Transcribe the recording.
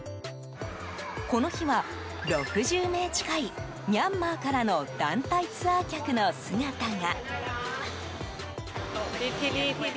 この日は、６０名近いミャンマーからの団体ツアー客の姿が。